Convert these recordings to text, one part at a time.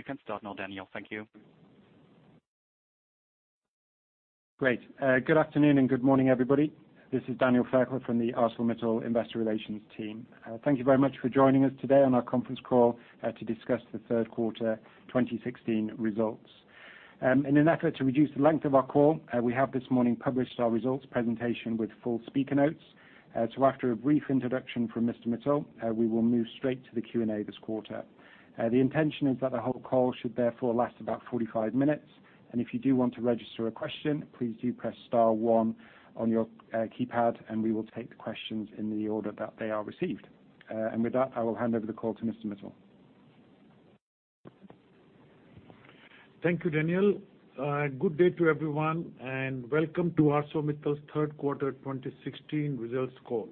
You can start now, Daniel. Thank you. Great. Good afternoon and good morning, everybody. This is Daniel Fairclough from the ArcelorMittal Investor Relations team. Thank you very much for joining us today on our conference call to discuss the third quarter 2016 results. In an effort to reduce the length of our call, we have this morning published our results presentation with full speaker notes. After a brief introduction from Mr. Mittal, we will move straight to the Q&A this quarter. The intention is that the whole call should therefore last about 45 minutes. If you do want to register a question, please do press star one on your keypad, and we will take the questions in the order that they are received. With that, I will hand over the call to Mr. Mittal. Thank you, Daniel. Good day to everyone, and welcome to ArcelorMittal's third quarter 2016 results call.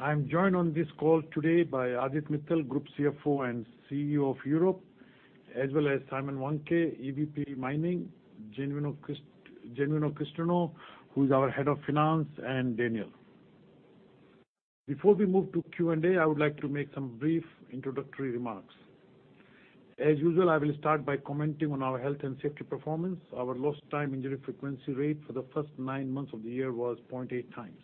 I am joined on this call today by Aditya Mittal, Group CFO and CEO of Europe, as well as Simon Wandke, EVP Mining, Genuino Christino, who is our Head of Finance, and Daniel. Before we move to Q&A, I would like to make some brief introductory remarks. As usual, I will start by commenting on our health and safety performance. Our lost time injury frequency rate for the first nine months of the year was 0.8 times.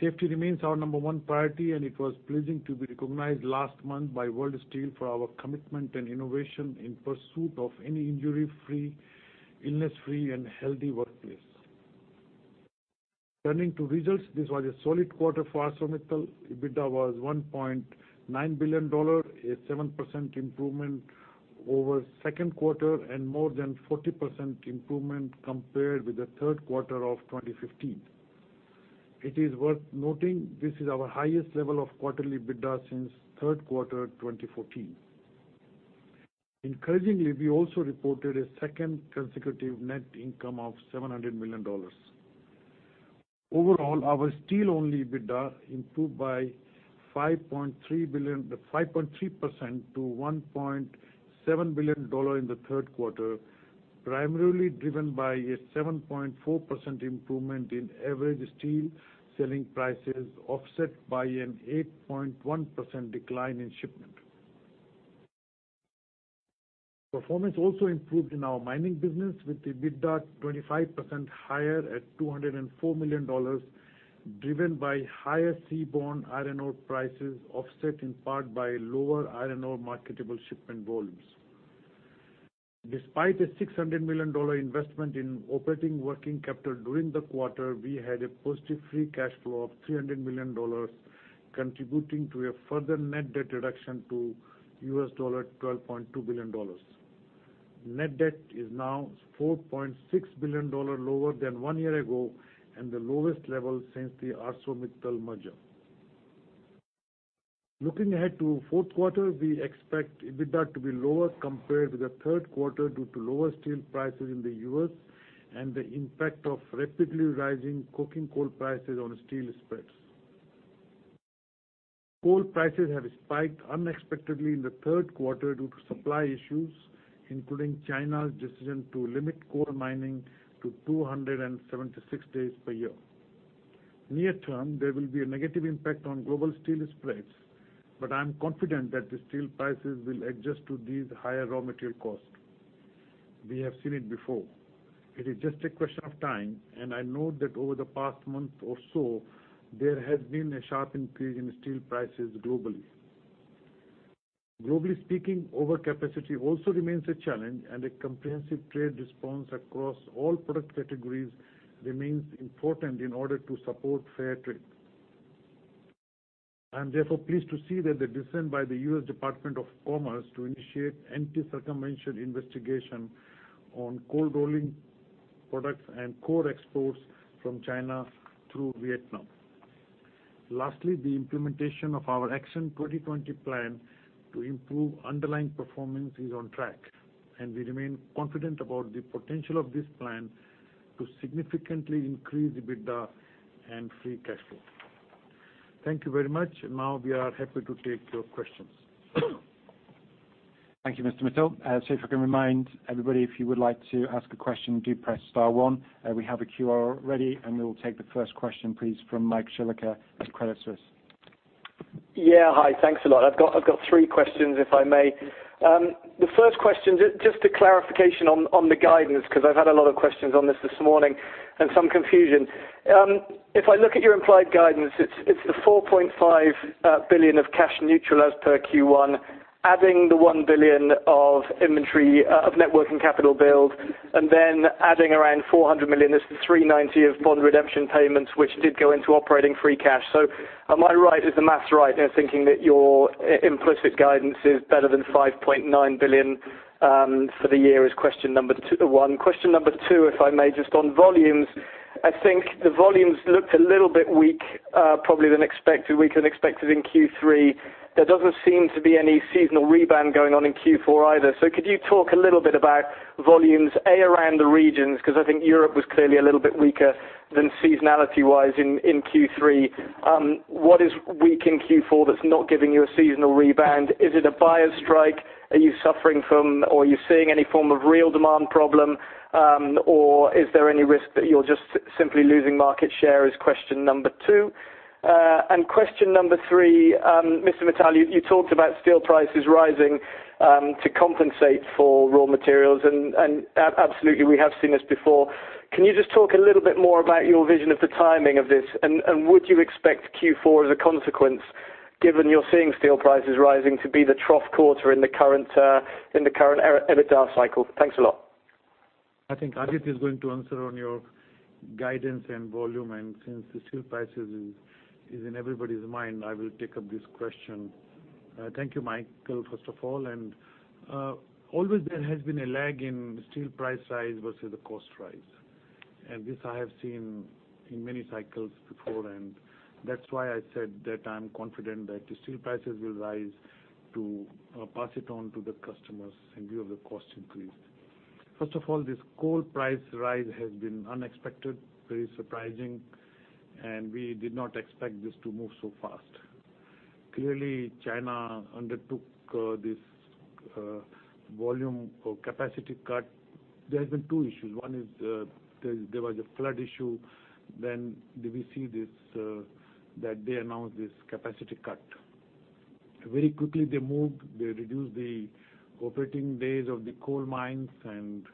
Safety remains our number one priority, and it was pleasing to be recognized last month by World Steel for our commitment and innovation in pursuit of any injury-free, illness-free, and healthy workplace. Turning to results, this was a solid quarter for ArcelorMittal. EBITDA was $1.9 billion, a 7% improvement over the second quarter and more than 40% improvement compared with the third quarter of 2015. It is worth noting this is our highest level of quarterly EBITDA since the third quarter of 2014. Encouragingly, we also reported a second consecutive net income of $700 million. Overall, our steel-only EBITDA improved by 5.3% to $1.7 billion in the third quarter, primarily driven by a 7.4% improvement in average steel selling prices, offset by an 8.1% decline in shipment. Performance also improved in our mining business, with EBITDA 25% higher at $204 million, driven by higher seaborne iron ore prices offset in part by lower iron ore marketable shipment volumes. Despite a $600 million investment in operating working capital during the quarter, we had a positive free cash flow of $300 million, contributing to a further net debt reduction to $12.2 billion. Net debt is now $4.6 billion lower than one year ago, and the lowest level since the ArcelorMittal merger. Looking ahead to the fourth quarter, we expect EBITDA to be lower compared to the third quarter due to lower steel prices in the U.S. and the impact of rapidly rising coking coal prices on steel spreads. Coal prices have spiked unexpectedly in the third quarter due to supply issues, including China's decision to limit coal mining to 276 days per year. Near term, there will be a negative impact on global steel spreads. I'm confident that the steel prices will adjust to these higher raw material costs. We have seen it before. It is just a question of time. I note that over the past month or so, there has been a sharp increase in steel prices globally. Globally speaking, overcapacity also remains a challenge. A comprehensive trade response across all product categories remains important in order to support fair trade. I am therefore pleased to see the decision by the U.S. Department of Commerce to initiate anti-circumvention investigation on cold rolling products and CORE exports from China through Vietnam. Lastly, the implementation of our Action 2020 plan to improve underlying performance is on track. We remain confident about the potential of this plan to significantly increase EBITDA and free cash flow. Thank you very much. We are happy to take your questions. Thank you, Mr. Mittal. If I can remind everybody, if you would like to ask a question, do press star one. We have the queue all ready. We will take the first question, please, from Michael Shillaker at Credit Suisse. Hi. Thanks a lot. I've got three questions, if I may. The first question, just a clarification on the guidance, because I've had a lot of questions on this this morning and some confusion. If I look at your implied guidance, it's the $4.5 billion of cash neutral as per Q1, adding the $1 billion of net working capital build. Then adding around $400 million. That's the $390 of bond redemption payments, which did go into operating free cash. Am I right? Is the math right there, thinking that your implicit guidance is better than $5.9 billion for the year is question number 1. Question number 2, if I may, just on volumes. I think the volumes looked a little bit weak, probably weaker than expected in Q3. There doesn't seem to be any seasonal rebound going on in Q4 either. Could you talk a little bit about volumes, A, around the regions, because I think Europe was clearly a little bit weaker than seasonality-wise in Q3. What is weak in Q4 that's not giving you a seasonal rebound? Is it a buyer strike? Are you suffering from, or are you seeing any form of real demand problem? Or is there any risk that you're just simply losing market share is question number 2. Question number 3, Mr. Mittal, you talked about steel prices rising to compensate for raw materials. Absolutely, we have seen this before. Can you just talk a little bit more about your vision of the timing of this, and would you expect Q4 as a consequence, given you're seeing steel prices rising to be the trough quarter in the current EBITDA cycle? Thanks a lot. I think Aditya is going to answer on your guidance and volume. Since the steel prices is in everybody's mind, I will take up this question. Thank you, Michael, first of all. Always there has been a lag in steel price rise versus the cost rise. This I have seen in many cycles before, and that's why I said that I'm confident that the steel prices will rise to pass it on to the customers in view of the cost increase. First of all, this coal price rise has been unexpected, very surprising. We did not expect this to move so fast. Clearly, China undertook this volume or capacity cut. There have been two issues. One is there was a flood issue, then we see that they announced this capacity cut. Very quickly they moved. They reduced the operating days of the coal mines, and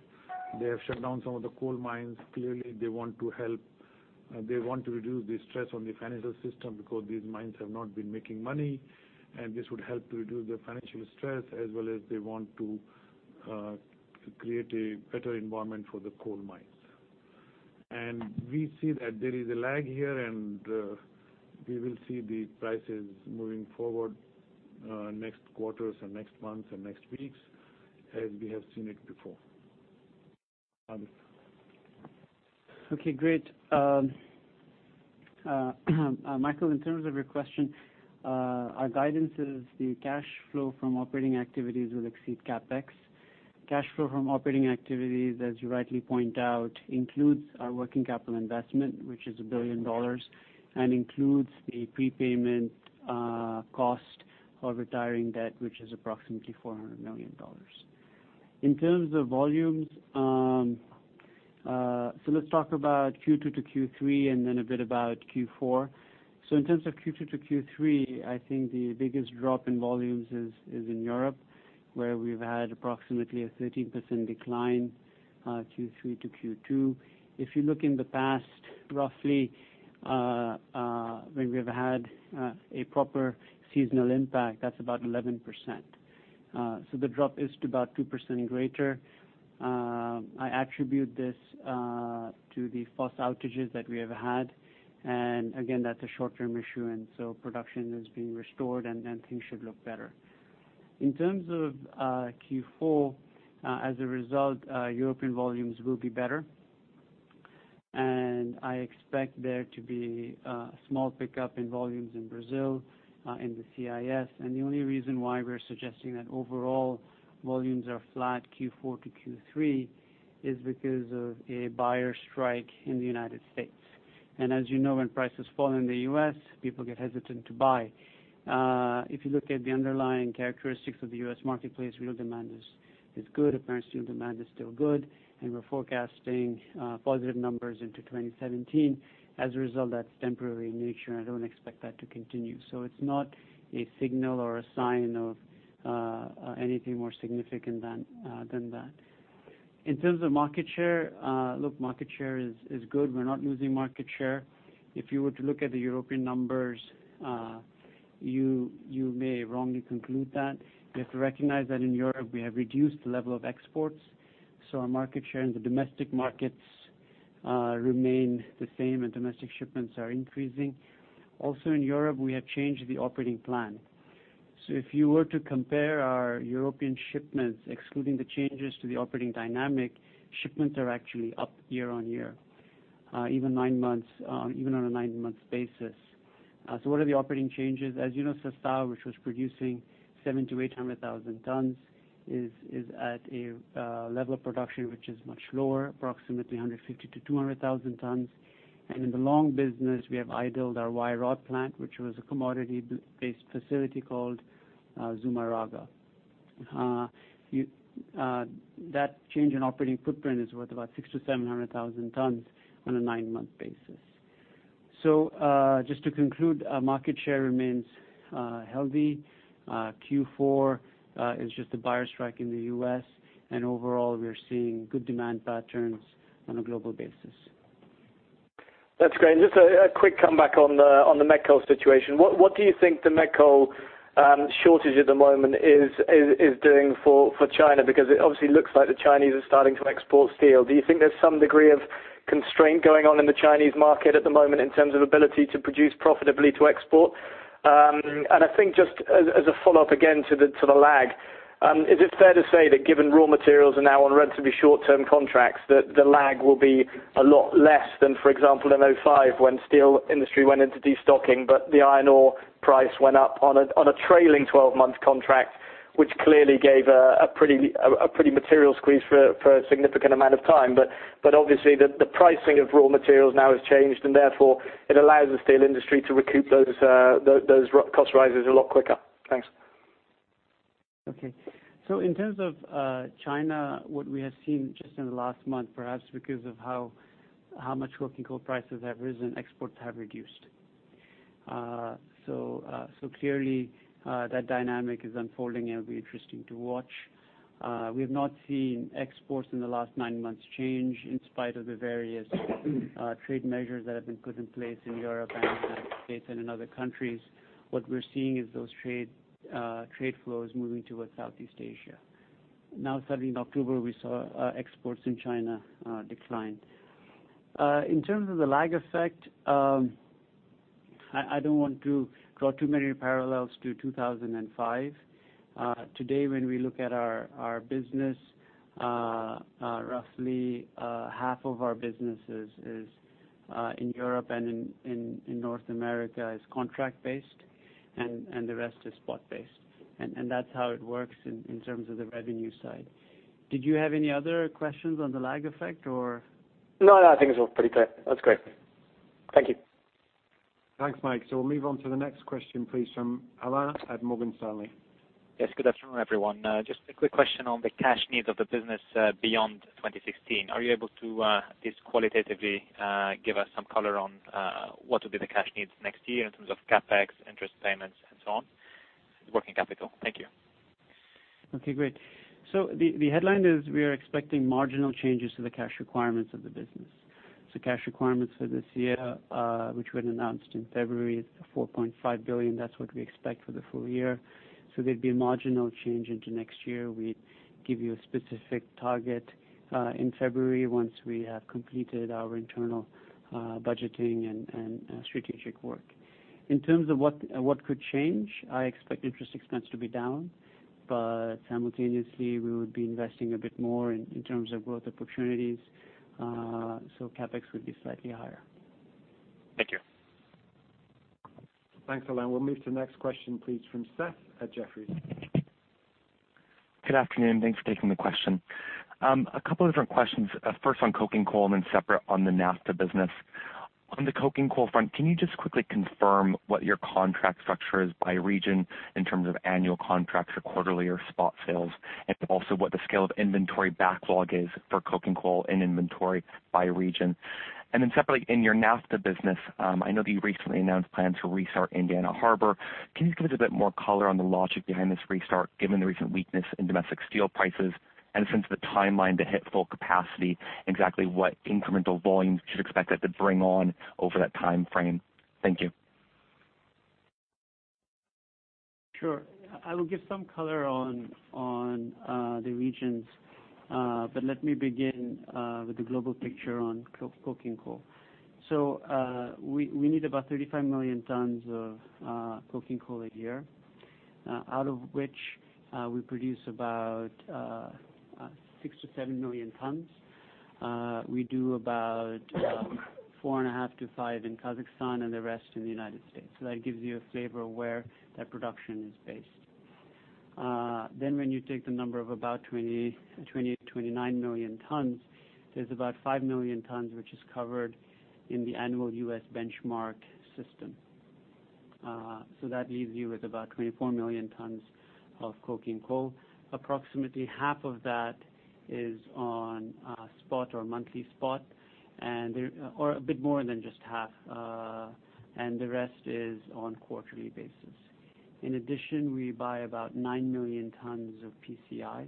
they have shut down some of the coal mines. Clearly, they want to reduce the stress on the financial system because these mines have not been making money, and this would help to reduce the financial stress as well as they want to create a better environment for the coal mines. We see that there is a lag here. We will see the prices moving forward, next quarters and next months and next weeks, as we have seen it before. Aditya. Okay, great. Michael, in terms of your question, our guidance is the cash flow from operating activities will exceed CapEx. Cash flow from operating activities, as you rightly point out, includes our working capital investment, which is $1 billion, and includes the prepayment cost of retiring debt, which is approximately $400 million. In terms of volumes, let's talk about Q2 to Q3 and then a bit about Q4. In terms of Q2 to Q3, I think the biggest drop in volumes is in Europe, where we've had approximately a 13% decline Q3 to Q2. If you look in the past, roughly, when we have had a proper seasonal impact, that's about 11%. The drop is to about 2% greater. I attribute this to the forced outages that we have had. Again, that's a short-term issue. Production is being restored, and things should look better. In terms of Q4, as a result, European volumes will be better. I expect there to be a small pickup in volumes in Brazil, in the CIS. The only reason why we're suggesting that overall volumes are flat Q4 to Q3 is because of a buyer strike in the U.S. As you know, when prices fall in the U.S., people get hesitant to buy. If you look at the underlying characteristics of the U.S. marketplace, real demand is good. Appearance steel demand is still good, and we're forecasting positive numbers into 2017. As a result, that's temporary in nature, and I don't expect that to continue. It's not a signal or a sign of anything more significant than that. In terms of market share, look, market share is good. We're not losing market share. If you were to look at the European numbers, you may wrongly conclude that. You have to recognize that in Europe, we have reduced the level of exports, so our market share in the domestic markets remain the same and domestic shipments are increasing. Also, in Europe, we have changed the operating plan. If you were to compare our European shipments, excluding the changes to the operating dynamic, shipments are actually up year-on-year, even on a nine-month basis. What are the operating changes? As you know, Sestao, which was producing 700,000 to 800,000 tons, is at a level of production which is much lower, approximately 150,000 to 200,000 tons. In the long business, we have idled our wire rod plant, which was a commodity-based facility called Zumárraga. That change in operating footprint is worth about 600,000 to 700,000 tons on a nine-month basis. Just to conclude, our market share remains healthy. Q4 is just a buyer strike in the U.S., and overall, we are seeing good demand patterns on a global basis. That's great. Just a quick come back on the met coal situation. What do you think the met coal shortage at the moment is doing for China? It obviously looks like the Chinese are starting to export steel. Do you think there's some degree of constraint going on in the Chinese market at the moment in terms of ability to produce profitably to export? I think just as a follow-up again to the lag, is it fair to say that given raw materials are now on relatively short-term contracts, that the lag will be a lot less than, for example, in 2005 when steel industry went into destocking, but the iron ore price went up on a trailing 12-month contract, which clearly gave a pretty material squeeze for a significant amount of time. Obviously, the pricing of raw materials now has changed, and therefore, it allows the steel industry to recoup those cost rises a lot quicker. Thanks. Okay. In terms of China, what we have seen just in the last month, perhaps because of how much coking coal prices have risen, exports have reduced. Clearly, that dynamic is unfolding, and it'll be interesting to watch. We've not seen exports in the last nine months change in spite of the various trade measures that have been put in place in Europe and the U.S. and in other countries. What we're seeing is those trade flows moving towards Southeast Asia. Suddenly in October, we saw exports in China decline. In terms of the lag effect, I don't want to draw too many parallels to 2005. Today, when we look at our business, roughly half of our business is in Europe and in North America is contract-based, and the rest is spot-based. That's how it works in terms of the revenue side. Did you have any other questions on the lag effect or? No, I think it's all pretty clear. That's great. Thank you. Thanks, Mike. We'll move on to the next question, please, from Alain at Morgan Stanley. Yes, good afternoon, everyone. Just a quick question on the cash needs of the business beyond 2016. Are you able to just qualitatively give us some color on what will be the cash needs next year in terms of CapEx, interest payments, and so on, working capital? Thank you. Okay, great. The headline is we are expecting marginal changes to the cash requirements of the business. Cash requirements for this year, which were announced in February, is $4.5 billion. That's what we expect for the full year. There'd be a marginal change into next year. We'd give you a specific target in February once we have completed our internal budgeting and strategic work. In terms of what could change, I expect interest expense to be down, simultaneously, we would be investing a bit more in terms of growth opportunities. CapEx would be slightly higher. Thank you. Thanks, Alain. We'll move to the next question, please, from Seth at Jefferies. Good afternoon. Thanks for taking the question. A couple of different questions. First on coking coal, separate on the NAFTA business. On the coking coal front, can you just quickly confirm what your contract structure is by region in terms of annual contracts or quarterly or spot sales? What the scale of inventory backlog is for coking coal and inventory by region. Separately, in your NAFTA business, I know that you recently announced plans to restart Indiana Harbor. Can you give us a bit more color on the logic behind this restart, given the recent weakness in domestic steel prices and a sense of the timeline to hit full capacity, exactly what incremental volumes you'd expect that to bring on over that timeframe? Thank you. Sure. I will give some color on the regions, but let me begin with the global picture on coking coal. We need about 35 million tons of coking coal a year, out of which we produce about 6-7 million tons. We do about 4.5-5 in Kazakhstan, and the rest in the U.S. That gives you a flavor of where that production is based. When you take the number of about 20 million tons-29 million tons, there's about 5 million tons, which is covered in the annual U.S. benchmark system. That leaves you with about 24 million tons of coking coal. Approximately half of that is on spot or monthly spot, or a bit more than just half, and the rest is on quarterly basis. In addition, we buy about 9 million tons of PCI.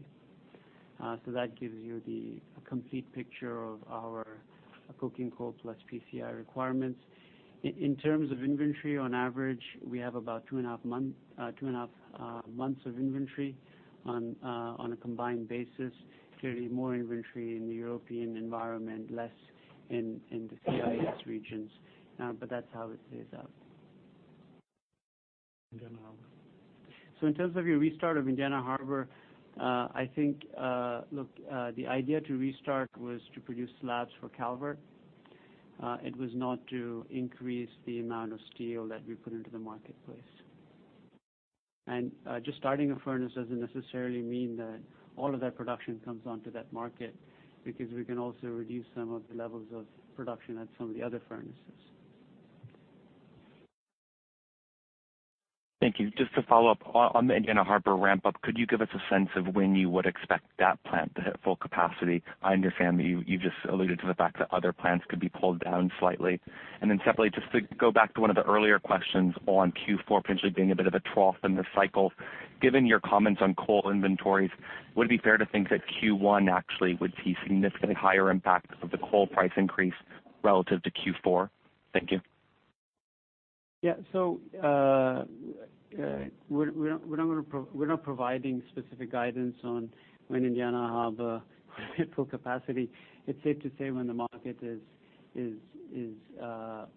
That gives you the complete picture of our coking coal plus PCI requirements. In terms of inventory, on average, we have about two and a half months of inventory on a combined basis. Clearly more inventory in the European environment, less in the CIS regions. That's how it plays out. Indiana Harbor. In terms of your restart of Indiana Harbor, I think the idea to restart was to produce slabs for Calvert. It was not to increase the amount of steel that we put into the marketplace. Just starting a furnace doesn't necessarily mean that all of that production comes onto that market because we can also reduce some of the levels of production at some of the other furnaces. Thank you. Just to follow up on the Indiana Harbor ramp-up, could you give us a sense of when you would expect that plant to hit full capacity? I understand that you just alluded to the fact that other plants could be pulled down slightly. Separately, just to go back to one of the earlier questions on Q4 potentially being a bit of a trough in the cycle. Given your comments on coal inventories, would it be fair to think that Q1 actually would see significantly higher impact of the coal price increase relative to Q4? Thank you. Yeah. We're not providing specific guidance on when Indiana Harbor will hit full capacity. It's safe to say when the market is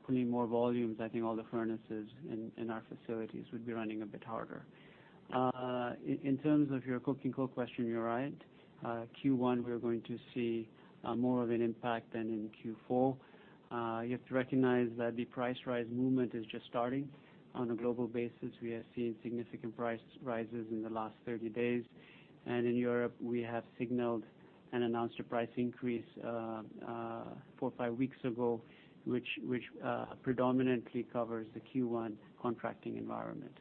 pulling more volumes, I think all the furnaces in our facilities would be running a bit harder. In terms of your coking coal question, you're right. Q1, we're going to see more of an impact than in Q4. You have to recognize that the price rise movement is just starting. On a global basis, we have seen significant price rises in the last 30 days. In Europe, we have signaled and announced a price increase four or five weeks ago, which predominantly covers the Q1 contracting environment.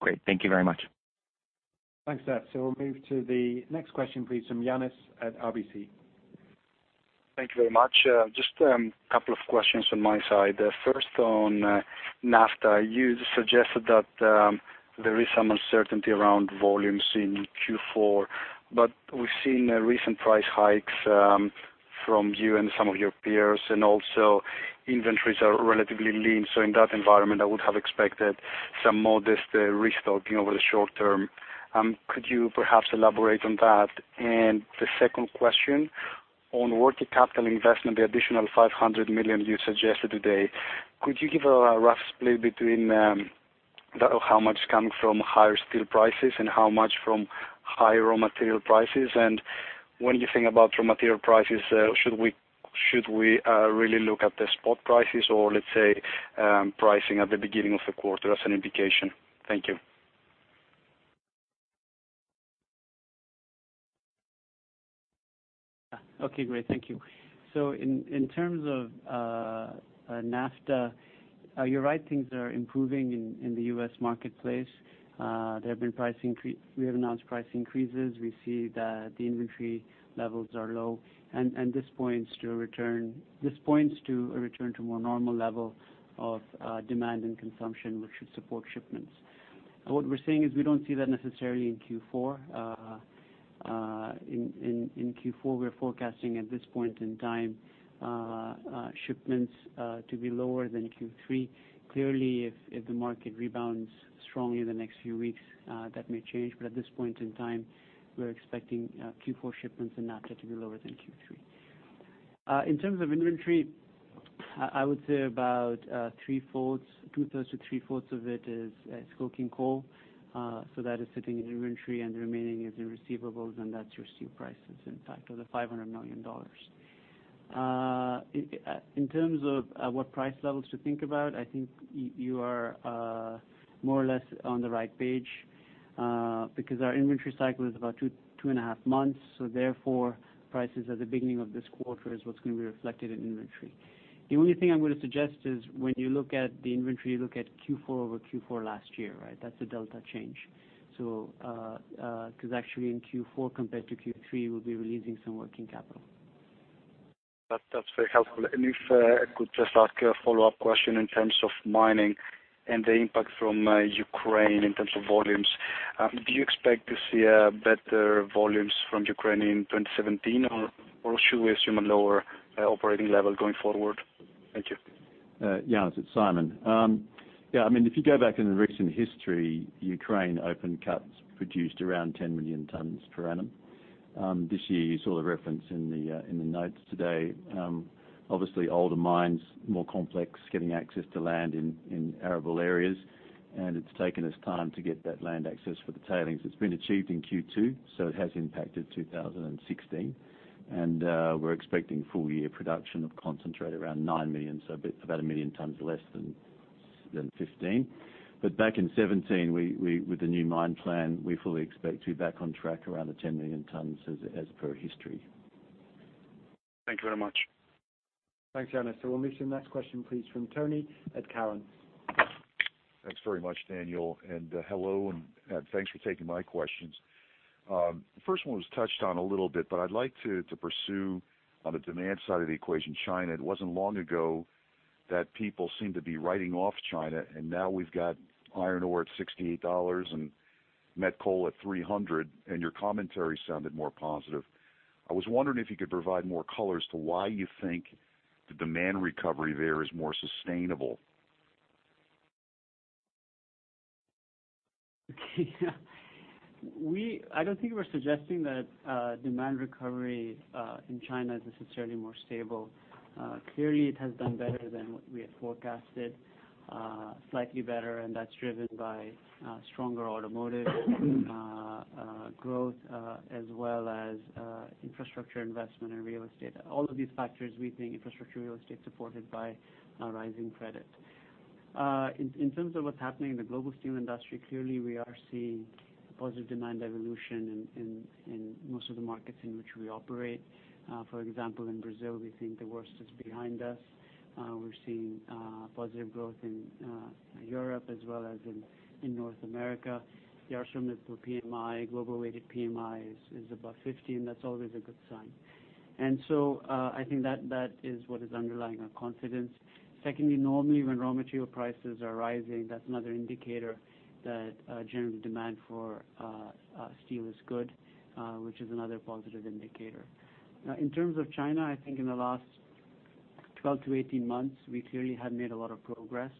Great. Thank you very much. Thanks, Seth. We'll move to the next question, please, from Yannis at RBC. Thank you very much. Just a couple of questions on my side. First, on NAFTA, you suggested that there is some uncertainty around volumes in Q4. We've seen recent price hikes from you and some of your peers, and also inventories are relatively lean. In that environment, I would have expected some modest restocking over the short term. Could you perhaps elaborate on that? The second question, on working capital investment, the additional $500 million you suggested today, could you give a rough split between that of how much comes from higher steel prices and how much from higher raw material prices? When you think about raw material prices, should we really look at the spot prices or, let's say, pricing at the beginning of the quarter as an indication? Thank you. Okay, great. Thank you. In terms of NAFTA, you're right, things are improving in the U.S. marketplace. We have announced price increases. We see that the inventory levels are low, and this points to a return to more normal level of demand and consumption, which should support shipments. What we're saying is we don't see that necessarily in Q4. In Q4, we're forecasting at this point in time, shipments to be lower than Q3. Clearly, if the market rebounds strongly in the next few weeks, that may change. At this point in time, we're expecting Q4 shipments in NAFTA to be lower than Q3. In terms of inventory, I would say about two-thirds to three-fourths of it is coking coal. That is sitting in inventory, and the remaining is in receivables, and that's your steel prices impact of the $500 million. In terms of what price levels to think about, I think you are more or less on the right page because our inventory cycle is about two and a half months. Therefore, prices at the beginning of this quarter is what's going to be reflected in inventory. The only thing I'm going to suggest is when you look at the inventory, look at Q4 over Q4 last year, right? That's a delta change. Because actually in Q4 compared to Q3, we'll be releasing some working capital. That's very helpful. If I could just ask a follow-up question in terms of mining and the impact from Ukraine in terms of volumes. Do you expect to see better volumes from Ukraine in 2017, or should we assume a lower operating level going forward? Thank you. Yannis, it's Simon. If you go back in the recent history, Ukraine open cuts produced around 10 million tons per annum. This year, you saw the reference in the notes today. Obviously, older mines, more complex, getting access to land in arable areas, and it's taken us time to get that land access for the tailings. It's been achieved in Q2, so it has impacted 2016. We're expecting full-year production of concentrate around 9 million, so about 1 million tons less than 2015. Back in 2017, with the new mine plan, we fully expect to be back on track around the 10 million tons as per history. Thank you very much. Thanks, Yannis. We'll move to the next question, please, from Tony at Cowen. Thanks very much, Daniel, and hello, and thanks for taking my questions. The first one was touched on a little bit, but I'd like to pursue on the demand side of the equation, China. It wasn't long ago that people seemed to be writing off China, and now we've got iron ore at $68 and met coal at $300, and your commentary sounded more positive. I was wondering if you could provide more color as to why you think the demand recovery there is more sustainable. Okay. I don't think we're suggesting that demand recovery in China is necessarily more stable. Clearly, it has done better than what we had forecasted, slightly better, and that's driven by stronger automotive growth as well as infrastructure investment and real estate. All of these factors, we think infrastructure, real estate supported by rising credit. In terms of what's happening in the global steel industry, clearly we are seeing positive demand evolution in most of the markets in which we operate. For example, in Brazil, we think the worst is behind us. We're seeing positive growth in Europe as well as in North America. The ArcelorMittal PMI, global weighted PMI is above 50. That's always a good sign. I think that is what is underlying our confidence. Secondly, normally when raw material prices are rising, that's another indicator that generally demand for steel is good, which is another positive indicator. In terms of China, I think in the last 12 to 18 months, we clearly had made a lot of progress.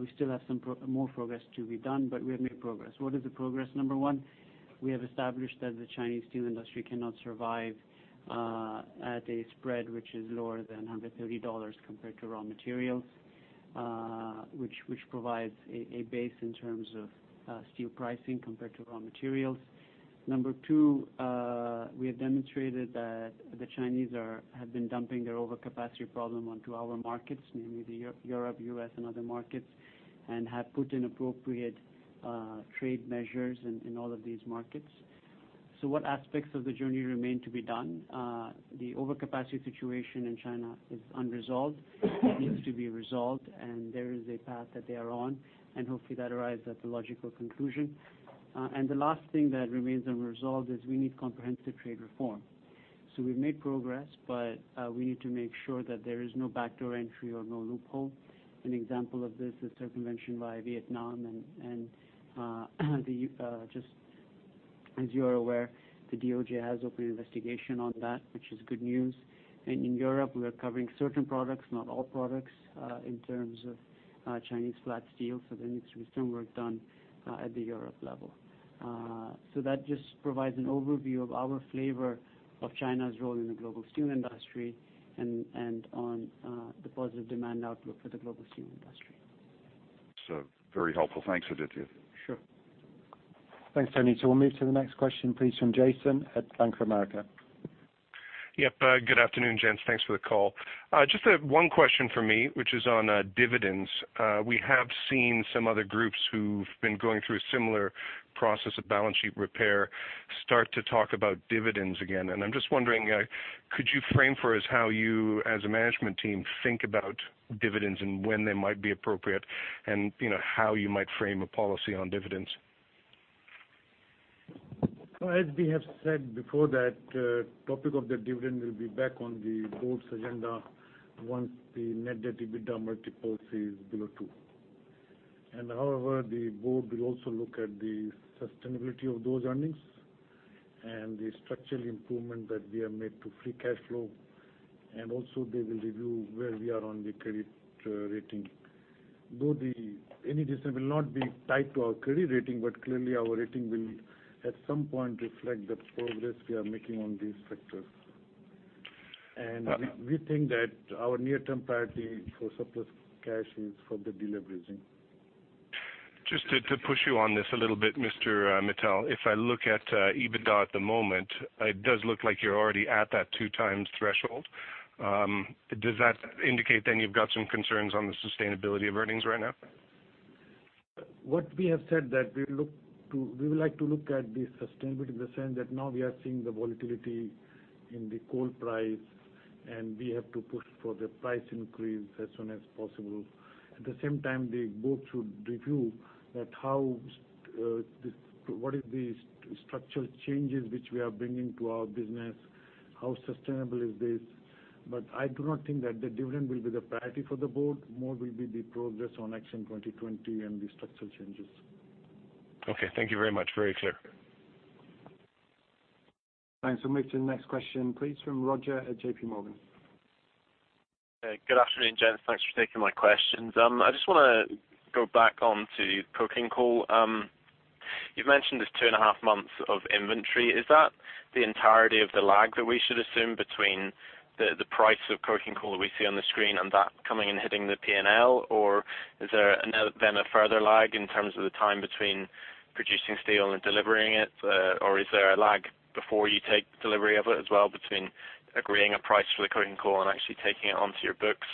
We still have some more progress to be done, but we have made progress. What is the progress? Number one, we have established that the Chinese steel industry cannot survive at a spread which is lower than $130 compared to raw materials, which provides a base in terms of steel pricing compared to raw materials. Number two, we have demonstrated that the Chinese have been dumping their overcapacity problem onto our markets, namely the Europe, U.S., and other markets, and have put inappropriate trade measures in all of these markets. What aspects of the journey remain to be done? The overcapacity situation in China is unresolved. It needs to be resolved, and there is a path that they are on, and hopefully that arrives at the logical conclusion. The last thing that remains unresolved is we need comprehensive trade reform. We've made progress, but we need to make sure that there is no backdoor entry or no loophole. An example of this is circumvention by Vietnam, and just as you are aware, the DOJ has opened an investigation on that, which is good news. In Europe, we are covering certain products, not all products, in terms of Chinese flat steel. There needs to be some work done at the Europe level. That just provides an overview of our flavor of China's role in the global steel industry and on the positive demand outlook for the global steel industry. Very helpful. Thanks, Aditya. Sure. Thanks, Tony. We'll move to the next question, please, from Jason at Bank of America. Yep. Good afternoon, gents. Thanks for the call. Just one question from me, which is on dividends. We have seen some other groups who've been going through a similar process of balance sheet repair start to talk about dividends again, and I'm just wondering, could you frame for us how you as a management team think about dividends and when they might be appropriate, and how you might frame a policy on dividends? As we have said before, that topic of the dividend will be back on the board's agenda once the net debt EBITDA multiple is below 2. However, the board will also look at the sustainability of those earnings and the structural improvement that we have made to free cash flow. Also they will review where we are on the credit rating. Though any decision will not be tied to our credit rating, but clearly our rating will at some point reflect the progress we are making on these factors. We think that our near-term priority for surplus cash is for the deleveraging. Just to push you on this a little bit, Mr. Mittal. If I look at EBITDA at the moment, it does look like you're already at that 2 times threshold. Does that indicate you've got some concerns on the sustainability of earnings right now? What we have said that we would like to look at the sustainability in the sense that now we are seeing the volatility in the coal price, and we have to push for the price increase as soon as possible. At the same time, the board should review what is the structural changes which we are bringing to our business, how sustainable is this. I do not think that the dividend will be the priority for the board. More will be the progress on Action 2020 and the structural changes. Thank you very much. Very clear. Thanks. We'll move to the next question, please, from Roger at JPMorgan. Hey, good afternoon, gents. Thanks for taking my questions. I just want to go back onto coking coal. You've mentioned this two and a half months of inventory. Is that the entirety of the lag that we should assume between the price of coking coal that we see on the screen and that coming and hitting the P&L? Or is there then a further lag in terms of the time between producing steel and delivering it? Or is there a lag before you take delivery of it as well between agreeing a price for the coking coal and actually taking it onto your books?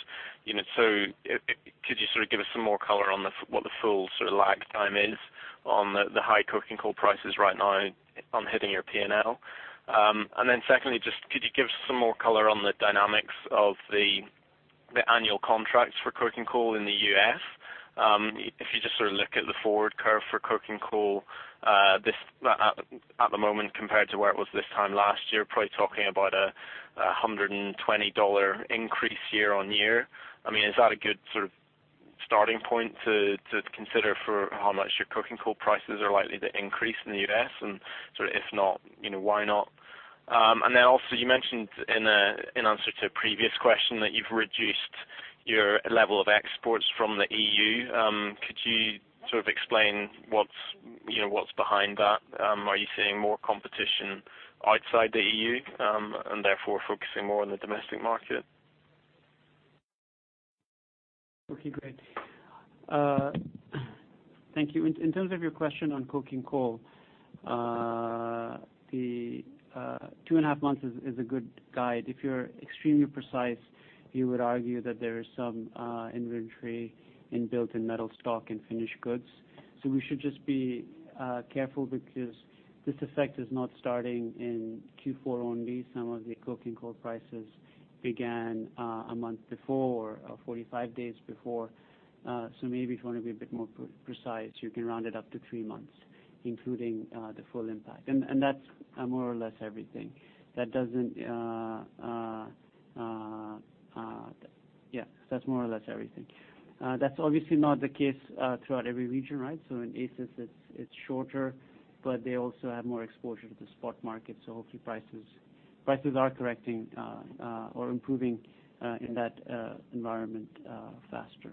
Could you give us some more color on what the full lag time is on the high coking coal prices right now on hitting your P&L? Secondly, just could you give some more color on the dynamics of the annual contracts for coking coal in the U.S.? If you just look at the forward curve for coking coal at the moment compared to where it was this time last year, probably talking about a $120 increase year-on-year. Is that a good starting point to consider for how much your coking coal prices are likely to increase in the U.S., and if not, why not? Also you mentioned in answer to a previous question that you've reduced your level of exports from the EU. Could you explain what's behind that? Are you seeing more competition outside the EU and therefore focusing more on the domestic market? Okay, great. Thank you. In terms of your question on coking coal, the two and a half months is a good guide. If you're extremely precise, you would argue that there is some inventory in built-in metal stock and finished goods. We should just be careful because this effect is not starting in Q4 only. Some of the coking coal prices began a month before or 45 days before. Maybe if you want to be a bit more precise, you can round it up to three months, including the full impact. That's more or less everything. Yeah. That's more or less everything. That's obviously not the case throughout every region, right? In ACIS, it's shorter, but they also have more exposure to the spot market. Hopefully prices are correcting or improving in that environment faster.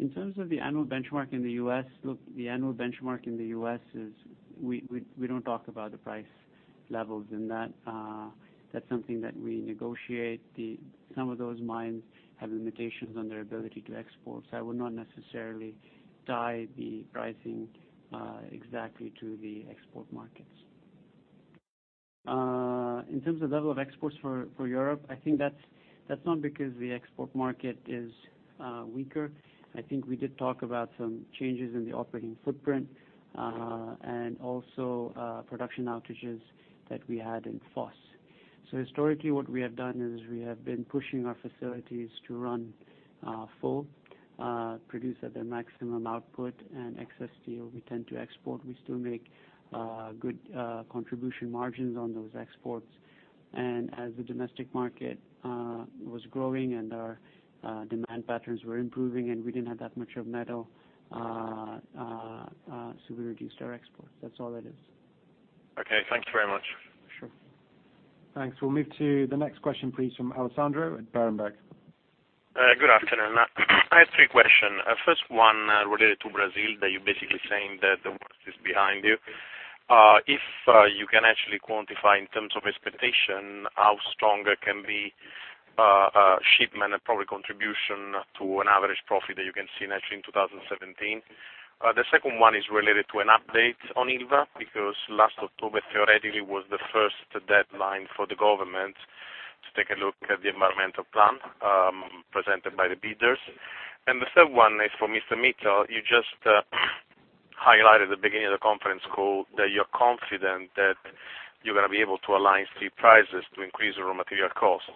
In terms of the annual benchmark in the U.S., look, the annual benchmark in the U.S. is we don't talk about the price levels in that. That's something that we negotiate. Some of those mines have limitations on their ability to export, so I would not necessarily tie the pricing exactly to the export markets. In terms of level of exports for Europe, I think that's not because the export market is weaker. I think we did talk about some changes in the operating footprint, and also production outages that we had in Fos-sur-Mer. Historically, what we have done is we have been pushing our facilities to run full, produce at their maximum output, and excess steel, we tend to export. We still make good contribution margins on those exports. As the domestic market was growing and our demand patterns were improving, we didn't have that much of metal, we reduced our exports. That's all it is. Okay, thank you very much. Sure. Thanks. We'll move to the next question, please, from Alessandro at Berenberg. Good afternoon. I have three question. First one related to Brazil, that you're basically saying that the worst is behind you. If you can actually quantify in terms of expectation, how strong can the shipment and probably contribution to an average profit that you can see actually in 2017? The second one is related to an update on Ilva, because last October theoretically was the first deadline for the government to take a look at the environmental plan presented by the bidders. The third one is for Mr. Mittal. You just highlighted the beginning of the conference call that you're confident that you're going to be able to align steel prices to increase raw material cost.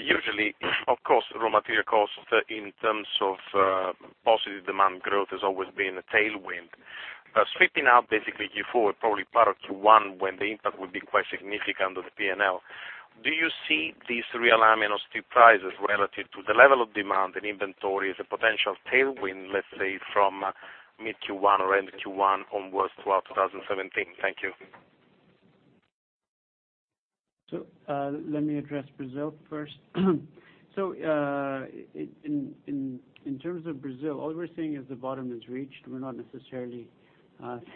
Usually, of course, raw material cost in terms of positive demand growth has always been a tailwind. Stripping out basically Q4, probably part of Q1 when the impact would be quite significant of the P&L, do you see these realignment of steel prices relative to the level of demand and inventory as a potential tailwind, let's say, from mid Q1 or end Q1 onwards throughout 2017? Thank you. Let me address Brazil first. In terms of Brazil, all we're saying is the bottom is reached. We're not necessarily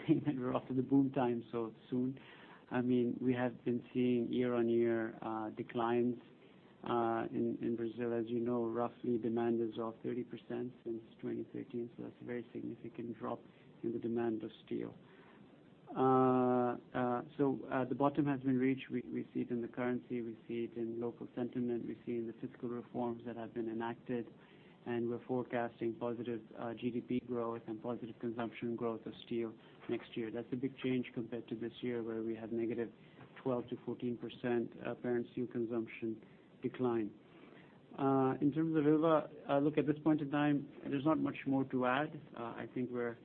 saying that we're off to the boom time so soon. We have been seeing year-on-year declines in Brazil. As you know, roughly demand is off 30% since 2013. That's a very significant drop in the demand of steel. The bottom has been reached. We see it in the currency, we see it in local sentiment, we see it in the fiscal reforms that have been enacted, and we're forecasting positive GDP growth and positive consumption growth of steel next year. That's a big change compared to this year, where we had negative 12%-14% apparent steel consumption decline. In terms of Ilva, look, at this point in time, there's not much more to add. I think we're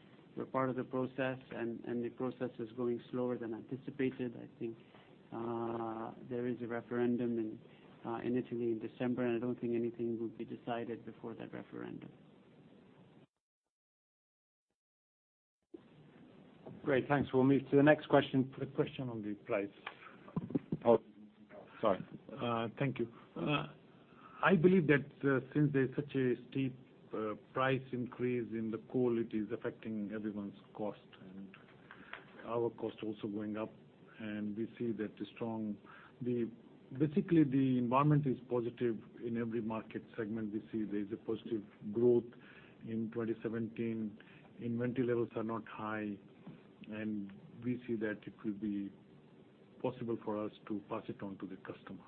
part of the process. The process is going slower than anticipated. I think there is a referendum in Italy in December, I don't think anything will be decided before that referendum. Great. Thanks. We'll move to the next question. Put a question on the place. Oh, sorry. Thank you. I believe that since there's such a steep price increase in the coal, it is affecting everyone's cost, and our cost also going up, and we see that basically, the environment is positive in every market segment. We see there's a positive growth in 2017. Inventory levels are not high, and we see that it will be possible for us to pass it on to the customer.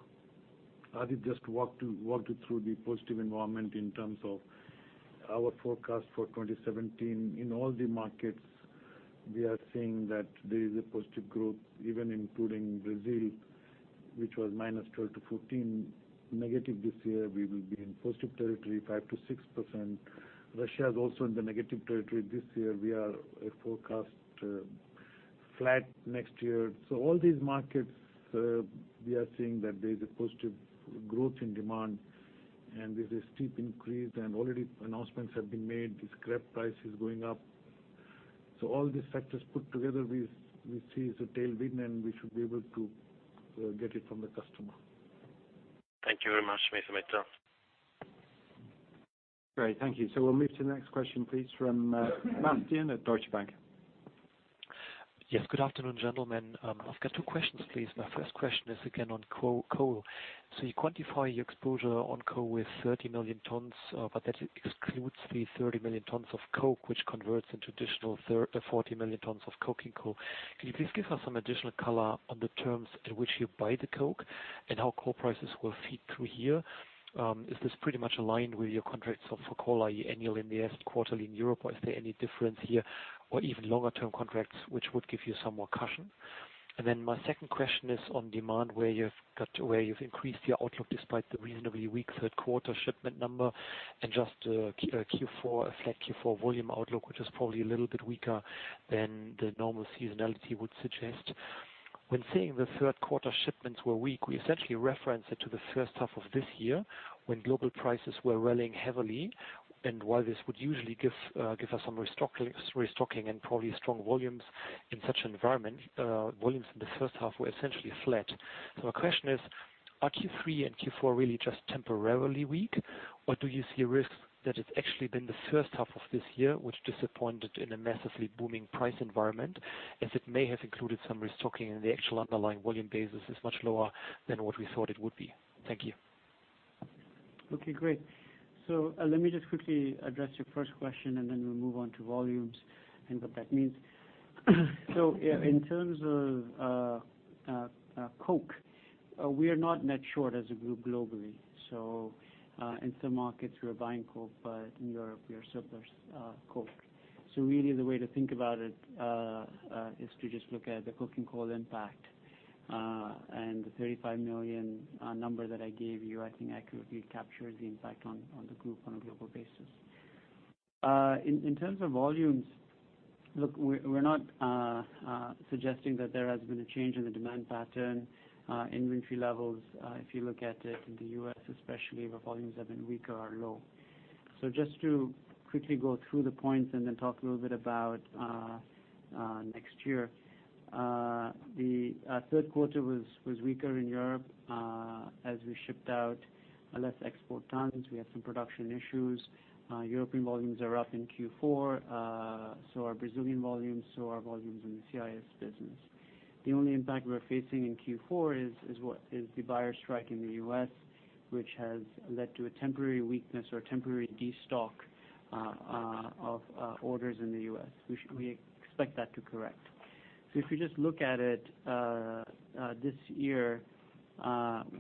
I did just walk you through the positive environment in terms of our forecast for 2017. In all the markets, we are seeing that there is a positive growth, even including Brazil, which was minus 12% to 14% negative this year. We will be in positive territory 5%-6%. Russia is also in the negative territory this year. We are forecast flat next year. All these markets, we are seeing that there's a positive growth in demand. There's a steep increase. Already announcements have been made. The scrap price is going up. All these factors put together, we see as a tailwind. We should be able to get it from the customer. Thank you very much, Mr. Mittal. Thank you. We'll move to the next question, please, from Bastian at Deutsche Bank. Yes, good afternoon, gentlemen. I've got two questions, please. My first question is again on coal. You quantify your exposure on coal with 30 million tons, but that excludes the 30 million tons of coke, which converts into additional 40 million tons of coking coal. Can you please give us some additional color on the terms at which you buy the coke and how coal prices will feed through here? Is this pretty much aligned with your contracts for coal, are you annual in the U.S., quarterly in Europe, or is there any difference here or even longer-term contracts which would give you some more cushion? Then my second question is on demand, where you've increased your outlook despite the reasonably weak third quarter shipment number and just a flat Q4 volume outlook, which is probably a little bit weaker than the normal seasonality would suggest. When saying the third quarter shipments were weak, we essentially reference it to the first half of this year when global prices were rallying heavily. While this would usually give us some restocking and probably strong volumes in such an environment, volumes in the first half were essentially flat. My question is, are Q3 and Q4 really just temporarily weak, or do you see risks that it's actually been the first half of this year which disappointed in a massively booming price environment, as it may have included some restocking and the actual underlying volume basis is much lower than what we thought it would be? Thank you. Okay, great. Let me just quickly address your first question, and then we'll move on to volumes and what that means. In terms of coke, we are not net short as a group globally. In some markets we are buying coke, but in Europe we are surplus coke. Really the way to think about it is to just look at the coking coal impact. The 35 million number that I gave you, I think accurately captures the impact on the group on a global basis. In terms of volumes, look, we're not suggesting that there has been a change in the demand pattern. Inventory levels, if you look at it in the U.S. especially, where volumes have been weak or low. Just to quickly go through the points and then talk a little bit about next year. The third quarter was weaker in Europe, as we shipped out less export tons. We had some production issues. European volumes are up in Q4. Brazilian volumes are up, so are volumes in the CIS business. The only impact we're facing in Q4 is the buyer strike in the U.S., which has led to a temporary weakness or temporary destock of orders in the U.S. We expect that to correct. If you just look at it this year, if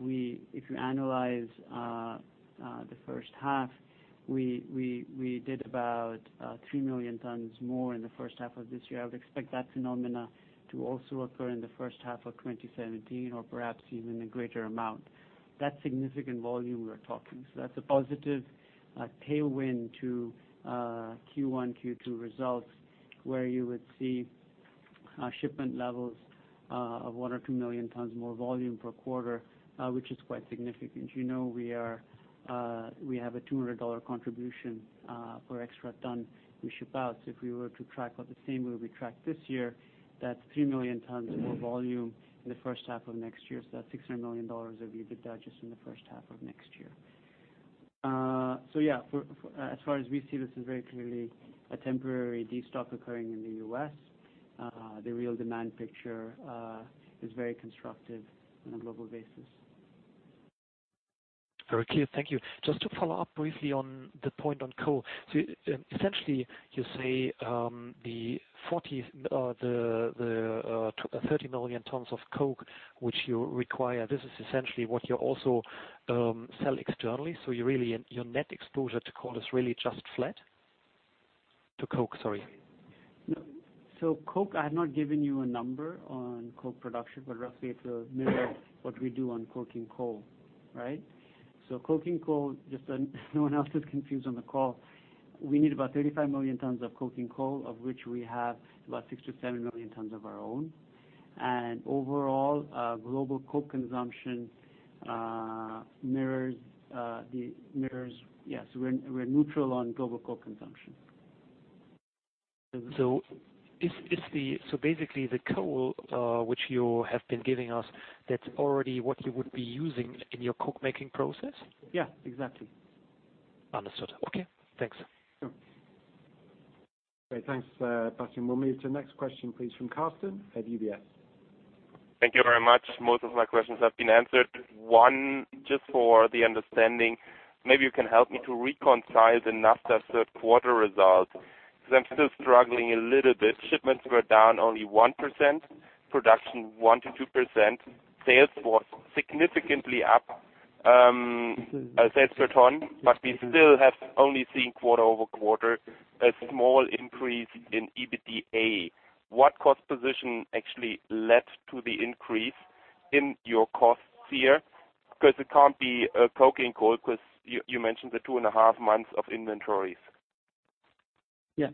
you analyze the first half, we did about 3 million tons more in the first half of this year. I would expect that phenomena to also occur in the first half of 2017 or perhaps even a greater amount. That's significant volume we are talking. That's a positive tailwind to Q1, Q2 results where you would see shipment levels of 1 or 2 million tons more volume per quarter, which is quite significant. You know we have a $200 contribution per extra ton we ship out. If we were to track at the same way we tracked this year, that's 3 million tons more volume in the first half of next year. That's $600 million of EBITDA just in the first half of next year. Yeah, as far as we see, this is very clearly a temporary destock occurring in the U.S. The real demand picture is very constructive on a global basis. Very clear. Thank you. Just to follow up briefly on the point on coal. Essentially you say the 30 million tons of coke which you require, this is essentially what you also sell externally. Your net exposure to coal is really just flat? To coke, sorry. Coke, I have not given you a number on coke production, but roughly it will mirror what we do on coking coal, right? Coking coal, just so no one else is confused on the call, we need about 35 million tons of coking coal, of which we have about 6 million-7 million tons of our own. Overall, global coke consumption. Yes, we're neutral on global coke consumption. Basically the coal, which you have been giving us, that's already what you would be using in your coke making process? Yeah, exactly. Understood. Okay, thanks. Sure. Great. Thanks, Bastian. We'll move to the next question, please, from Carsten at UBS. Thank you very much. Most of my questions have been answered. One just for the understanding. Maybe you can help me to reconcile the NAFTA third quarter results, because I'm still struggling a little bit. Shipments were down only 1%, production 1%-2%. Sales was significantly up sales per ton, but we still have only seen quarter-over-quarter a small increase in EBITDA. What cost position actually led to the increase in your costs here? Because it can't be coking coal, because you mentioned the two and a half months of inventories. Yeah.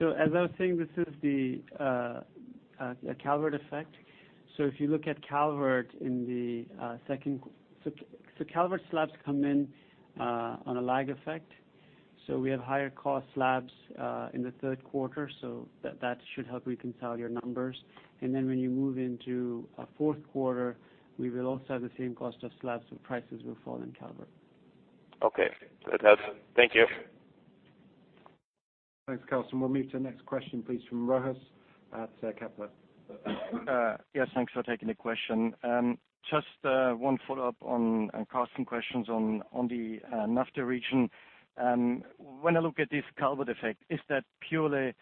As I was saying, this is the Calvert effect. If you look at Calvert. Calvert slabs come in on a lag effect. We have higher cost slabs in the third quarter, that should help reconcile your numbers. When you move into fourth quarter, we will also have the same cost of slabs, prices will fall in Calvert. Okay. That helps. Thank you. Thanks, Carsten. We'll move to the next question, please, from Rochus at Kepler. Yes, thanks for taking the question. Just one follow-up on Carsten questions on the NAFTA region. When I look at this Calvert effect, is that purely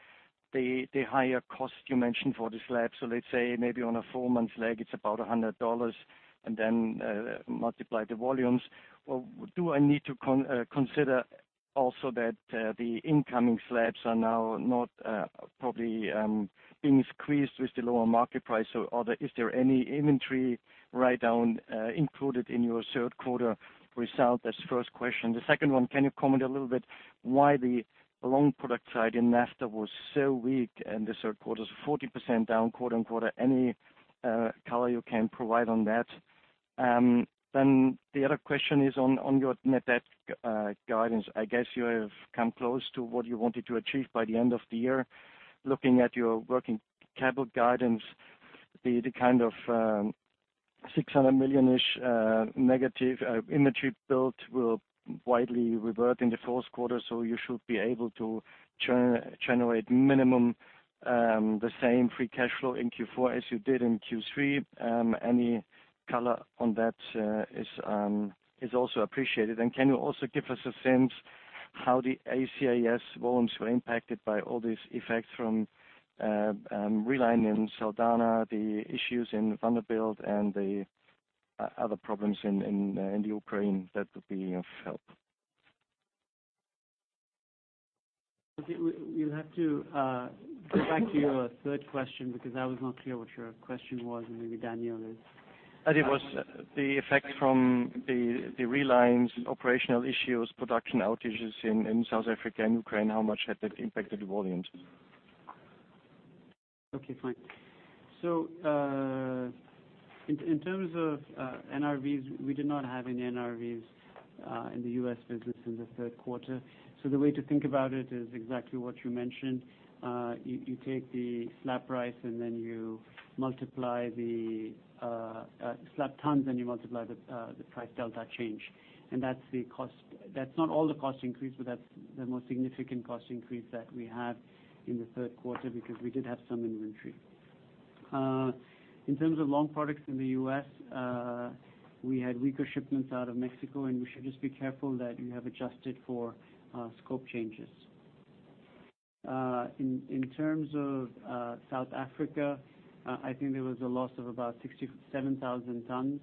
the higher cost you mentioned for the slabs? So let's say maybe on a 4-month lag it's about $100 and then multiply the volumes. Or do I need to consider also that the incoming slabs are now not probably being squeezed with the lower market price? Is there any inventory write down included in your third quarter result? That's the first question. The second one, can you comment a little bit why the long product side in NAFTA was so weak in the third quarter, so 40% down quarter-on-quarter? Any color you can provide on that? The other question is on your net debt guidance. I guess you have come close to what you wanted to achieve by the end of the year. Looking at your working capital guidance, the kind of $600 million-ish negative inventory build will widely revert in the fourth quarter, so you should be able to generate minimum the same free cash flow in Q4 as you did in Q3. Any color on that is also appreciated. Can you also give us a sense how the ACIS volumes were impacted by all these effects from relining Saldanha, the issues in Vanderbijlpark, and the other problems in the Ukraine? That would be of help. Okay. We'll have to go back to your third question because I was not clear what your question was, and maybe Daniel is. It was the effect from the relines, operational issues, production outages in South Africa and Ukraine, how much had that impacted volumes? Okay, fine. In terms of NRVs, we did not have any NRVs in the U.S. business in the third quarter. The way to think about it is exactly what you mentioned. You take the slab price, and then you multiply the slab tons, then you multiply the price delta change. That's the cost. That's not all the cost increase, but that's the most significant cost increase that we have in the third quarter because we did have some inventory. In terms of long products in the U.S., we had weaker shipments out of Mexico, and we should just be careful that we have adjusted for scope changes. In terms of South Africa, I think there was a loss of about 67,000 tons,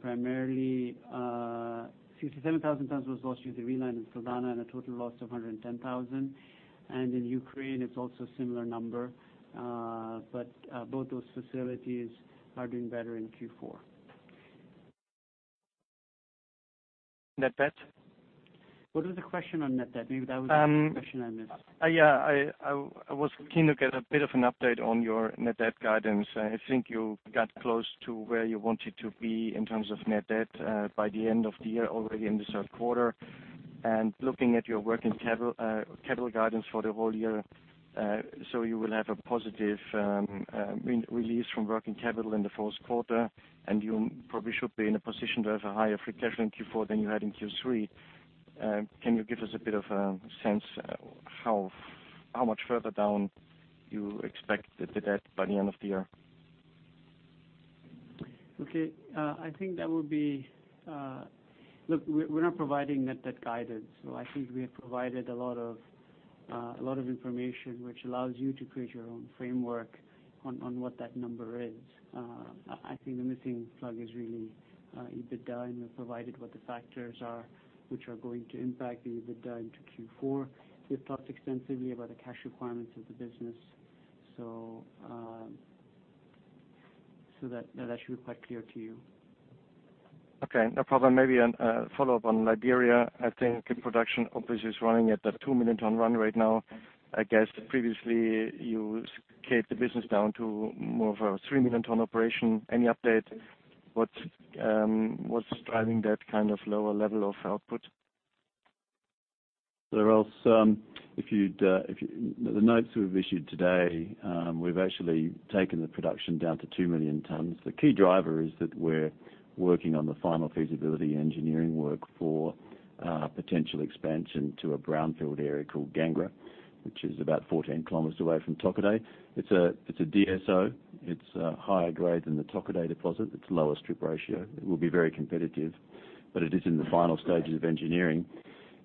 primarily. 67,000 tons was lost due to reline in Saldanha and a total loss of 110,000. In Ukraine, it's also similar number. Both those facilities are doing better in Q4. Net debt? What was the question on net debt? Maybe that was the question I missed. Yeah. I was keen to get a bit of an update on your net debt guidance. I think you got close to where you wanted to be in terms of net debt by the end of the year, already in the third quarter. Looking at your working capital guidance for the whole year, you will have a positive release from working capital in the first quarter, and you probably should be in a position to have a higher free cash flow in Q4 than you had in Q3. Can you give us a bit of a sense how much further down you expect the debt by the end of the year? Okay. Look, we're not providing net debt guidance. I think we have provided a lot of information which allows you to create your own framework on what that number is. I think the missing plug is really EBITDA. We've provided what the factors are, which are going to impact the EBITDA into Q4. We've talked extensively about the cash requirements of the business. That should be quite clear to you. Okay. No problem. Maybe a follow-up on Liberia. I think production obviously is running at the 2 million ton run rate now. I guess previously you scaled the business down to more of a 3 million ton operation. Any update? What's driving that kind of lower level of output? If you read the notes we've issued today, we've actually taken the production down to 2 million tons. The key driver is that we're working on the final feasibility engineering work for potential expansion to a brownfield area called Gangra, which is about 14 kilometers away from Tokadeh. It's a DSO. It's a higher grade than the Tokadeh deposit. It's a lower strip ratio. It will be very competitive, it is in the final stages of engineering,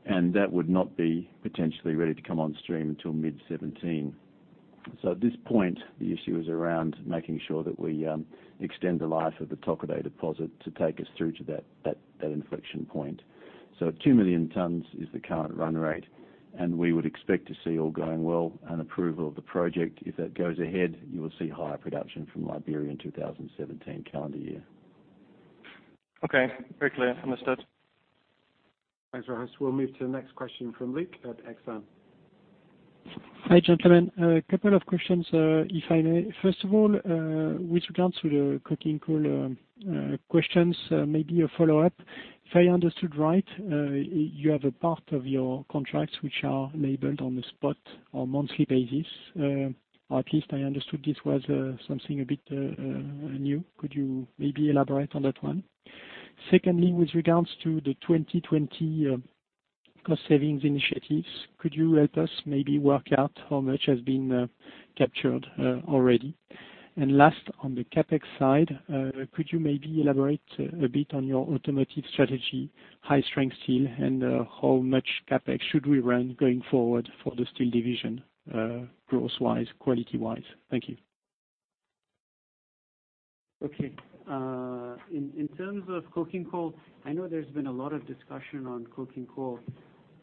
and that would not be potentially ready to come on stream till mid 2017. At this point, the issue is around making sure that we extend the life of the Tokadeh deposit to take us through to that inflection point. 2 million tons is the current run rate, and we would expect to see, all going well, an approval of the project. If that goes ahead, you will see higher production from Liberia in 2017 calendar year. Okay. Very clear. Understood. Thanks, Rochus. We'll move to the next question from Luc at Exane. Hi, gentlemen. A couple of questions, if I may. First of all, with regards to the coking coal questions, maybe a follow-up. If I understood right, you have a part of your contracts which are labeled on the spot or monthly basis. Or at least I understood this was something a bit new. Could you maybe elaborate on that one? Secondly, with regards to the 2020 cost savings initiatives, could you help us maybe work out how much has been captured already? Last, on the CapEx side, could you maybe elaborate a bit on your automotive strategy, high-strength steel, and how much CapEx should we run going forward for the steel division growth-wise, quality-wise? Thank you. Okay. In terms of coking coal, I know there's been a lot of discussion on coking coal,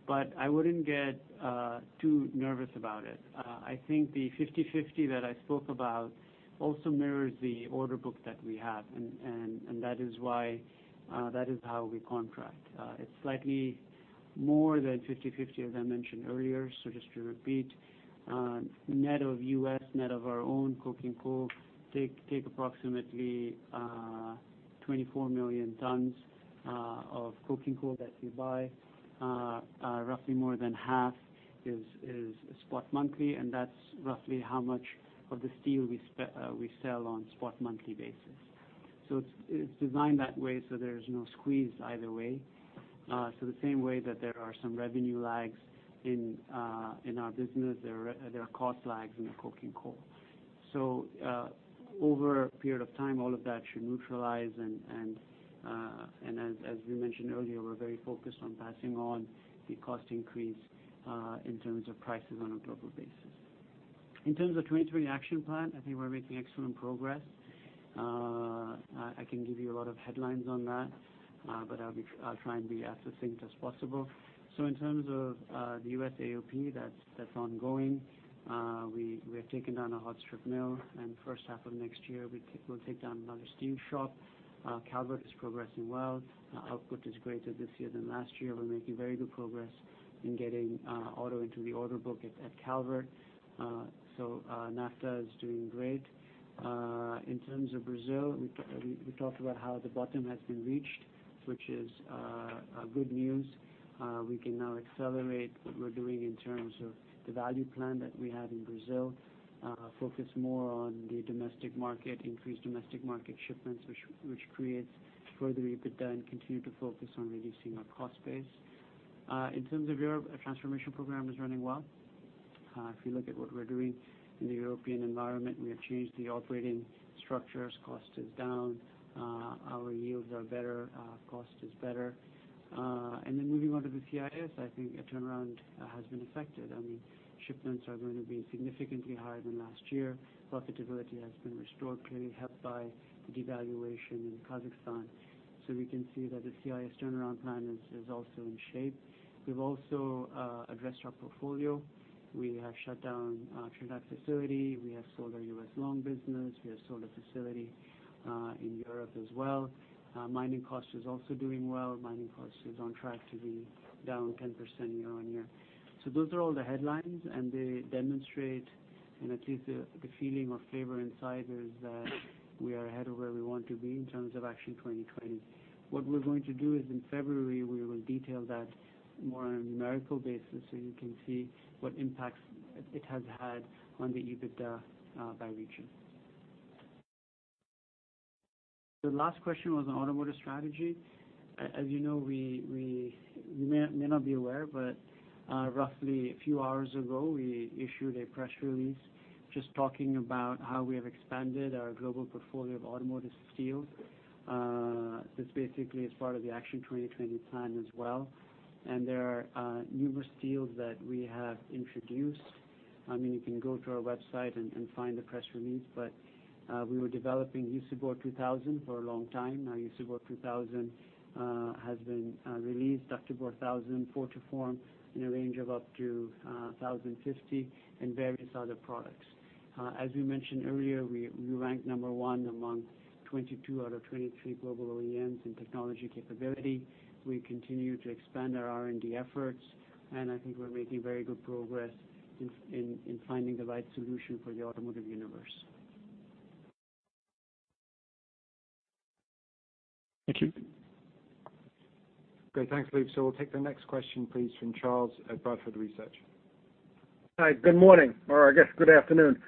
but I wouldn't get too nervous about it. I think the 50/50 that I spoke about also mirrors the order book that we have, and that is how we contract. It's slightly more than 50/50, as I mentioned earlier. Just to repeat, net of U.S., net of our own coking coal, take approximately 24 million tons of coking coal that we buy. Roughly more than half is spot monthly, and that's roughly how much of the steel we sell on spot monthly basis. It's designed that way so there's no squeeze either way. The same way that there are some revenue lags in our business, there are cost lags in the coking coal. Over a period of time, all of that should neutralize, and as we mentioned earlier, we're very focused on passing on the cost increase in terms of prices on a global basis. In terms of 2020 action plan, I think we're making excellent progress. I can give you a lot of headlines on that, but I'll try and be as succinct as possible. In terms of the U.S. AOP, that's ongoing. We have taken down a hot strip mill, and first half of next year, we'll take down another steel shop. Calvert is progressing well. Output is greater this year than last year. We're making very good progress in getting auto into the order book at Calvert. NAFTA is doing great. In terms of Brazil, we talked about how the bottom has been reached, which is good news. We can now accelerate what we're doing in terms of the value plan that we had in Brazil, focus more on the domestic market, increase domestic market shipments, which creates further EBITDA, and continue to focus on reducing our cost base. In terms of Europe, our transformation program is running well. If you look at what we're doing in the European environment, we have changed the operating structures. Cost is down. Our yields are better. Cost is better. Moving on to the CIS, I think a turnaround has been affected. Shipments are going to be significantly higher than last year. Profitability has been restored, clearly helped by the devaluation in Kazakhstan. We can see that the CIS turnaround plan is also in shape. We've also addressed our portfolio. We have shut down Trinidad facility. We have sold our U.S. Long business. We have sold a facility in Europe as well. Mining cost is also doing well. Mining cost is on track to be down 10% year on year. Those are all the headlines, and they demonstrate, and at least the feeling or flavor inside is that we are ahead of where we want to be in terms of Action 2020. What we're going to do is in February, we will detail that more on a numerical basis so you can see what impacts it has had on the EBITDA by region. The last question was on automotive strategy. You may not be aware, but roughly a few hours ago, we issued a press release just talking about how we have expanded our global portfolio of automotive steel. This basically is part of the Action 2020 plan as well. There are numerous steels that we have introduced. You can go to our website and find the press release, we were developing Usibor 2000 for a long time. Now Usibor 2000 has been released, Ductibor 1000, Fortiform in a range of up to 1050, and various other products. As we mentioned earlier, we rank number 1 among 22 out of 23 global OEMs in technology capability. We continue to expand our R&D efforts, I think we're making very good progress in finding the right solution for the automotive universe. Thank you. Great. Thanks, Luc. We'll take the next question, please, from Charles at Bradford Research. Hi, good morning, or I guess good afternoon.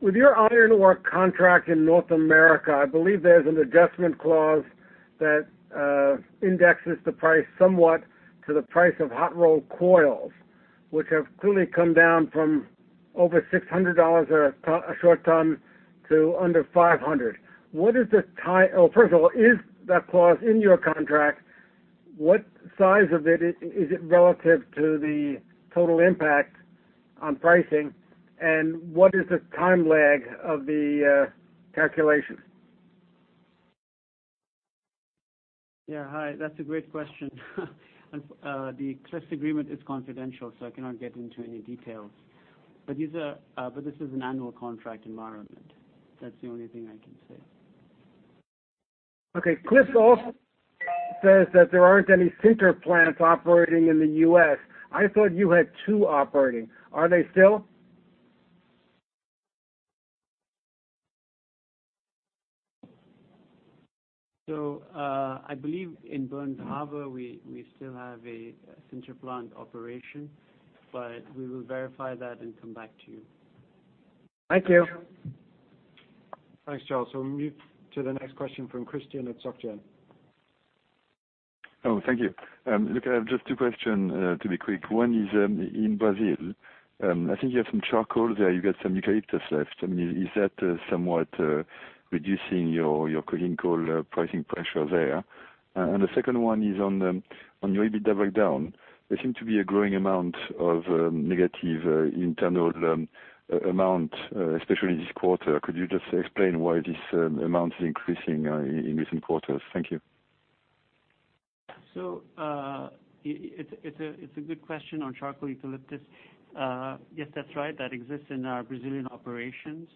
With your iron ore contract in North America, I believe there's an adjustment clause that indexes the price somewhat to the price of hot rolled coils, which have clearly come down from over $600 a short ton to under $500. First of all, is that clause in your contract? What size of it, is it relative to the total impact on pricing, and what is the time lag of the calculation? Yeah. Hi. That's a great question. The Cliffs agreement is confidential. I cannot get into any details. This is an annual contract environment. That's the only thing I can say. Okay. Cliffs also says that there aren't any sinter plants operating in the U.S. I thought you had two operating. Are they still? I believe in Burns Harbor, we still have a sinter plant operation, but we will verify that and come back to you. Thanks. See you. Thanks, Charles. We move to the next question from Christian at SocGen. Thank you. I have just two questions, to be quick. One is, in Brazil, I think you have some charcoal there. You got some eucalyptus left. Is that somewhat reducing your coking coal pricing pressure there? The second one is on your EBITDA breakdown. There seem to be a growing amount of negative internal amount, especially this quarter. Could you just explain why this amount is increasing in recent quarters? Thank you. It's a good question on charcoal eucalyptus. Yes, that's right. That exists in our Brazilian operations.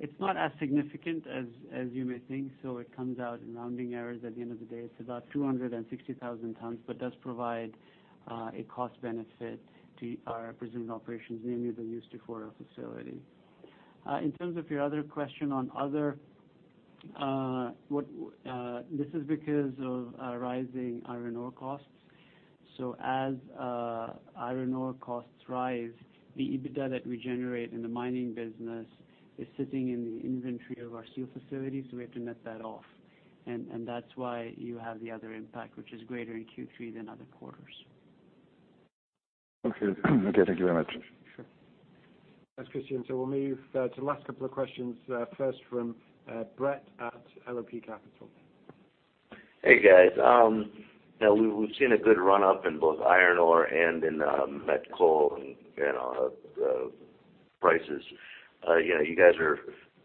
It's not as significant as you may think, it comes out in rounding errors at the end of the day. It's about 260,000 tons but does provide a cost benefit to our Brazilian operations, namely the [Ustraforos] facility. In terms of your other question. This is because of rising iron ore costs. As iron ore costs rise, the EBITDA that we generate in the mining business is sitting in the inventory of our steel facilities, we have to net that off. That's why you have the other impact, which is greater in Q3 than other quarters. Okay. Thank you very much. Sure. Thanks, Christian. We'll move to the last couple of questions, first from Brett at Loop Capital. Hey, guys. We've seen a good run-up in both iron ore and in met coal, and all the prices. You guys are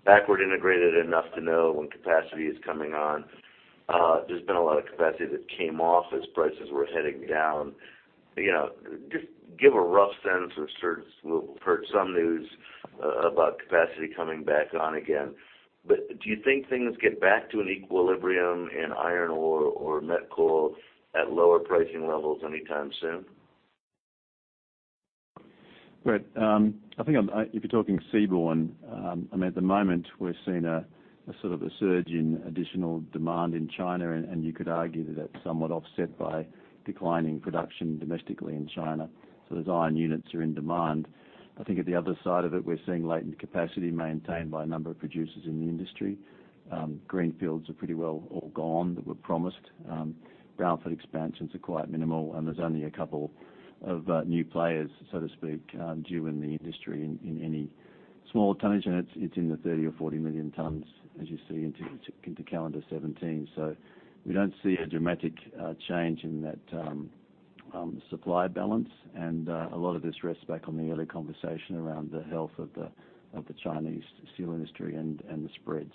backward integrated enough to know when capacity is coming on. There's been a lot of capacity that came off as prices were heading down. Just give a rough sense of sorts. We've heard some news about capacity coming back on again. Do you think things get back to an equilibrium in iron ore or met coal at lower pricing levels anytime soon? Brett, I think if you're talking seaborne, at the moment, we're seeing a sort of a surge in additional demand in China, and you could argue that that's somewhat offset by declining production domestically in China. Those iron units are in demand. I think at the other side of it, we're seeing latent capacity maintained by a number of producers in the industry. Greenfields are pretty well all gone that were promised. Brownfield expansions are quite minimal, and there's only a couple of new players, so to speak, due in the industry in any small tonnage, and it's in the 30 or 40 million tons, as you see into calendar 2017. We don't see a dramatic change in that supply balance. A lot of this rests back on the early conversation around the health of the Chinese steel industry and the spreads.